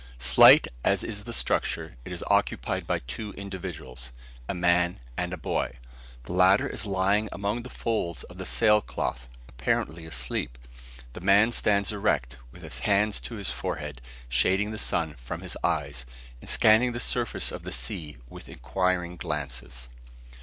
Slight as is the structure, it is occupied by two individuals, a man and a boy. The latter is lying along the folds of the sail cloth, apparently asleep. The man stands erect, with his hand to his forehead, shading the sun from his eyes, and scanning the surface of the sea with inquiring glances.